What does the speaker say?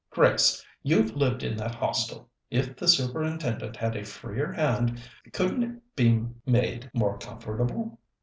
Grace, you've lived in that Hostel. If the Superintendent had a freer hand, couldn't it be made more comfortable?"